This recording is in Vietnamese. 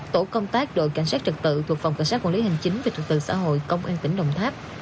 tổ công tác đội cảnh sát trật tự thuộc phòng cảnh sát quản lý hành chính về trật tự xã hội công an tỉnh đồng tháp